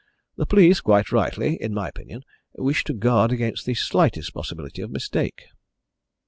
The police quite rightly, in my opinion wish to guard against the slightest possibility of mistake."